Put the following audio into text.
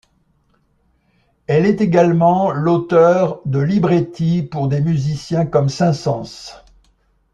Elle est également l’auteure de libretti pour des musiciens comme Saint-Saëns.